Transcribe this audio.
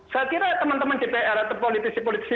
saya kira teman teman dpr atau politisi politisi